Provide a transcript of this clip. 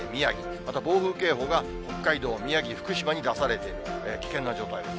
また暴風警報が北海道、宮城、福島に出されていて、危険な状態です。